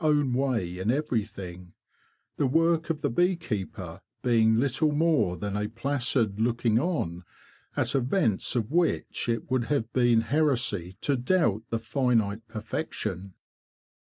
own way in everything, the work of the bee keeper being little more than a placid looking on at events of which it would have been heresy to doubt the finite perfection.